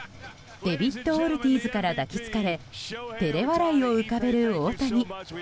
デビッド・オルティーズから抱きつかれ照れ笑いを浮かべる大谷。